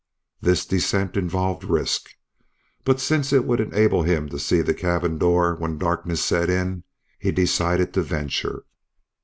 This descent involved risk, but since it would enable him to see the cabin door when darkness set in, he decided to venture.